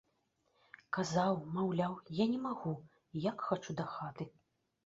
Казаў, маўляў, я не магу, як хачу дахаты.